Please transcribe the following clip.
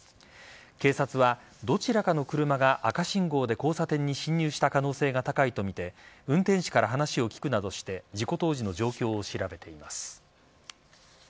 警察は、どちらかの車が赤信号で交差点に進入した可能性が高いとみて運転手から話を聞くなどして事故当時の状況を調べています。